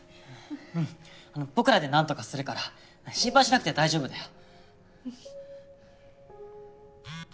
うん僕らで何とかするから心配しなくて大丈夫だよ。